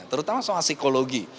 terutama soal psikologi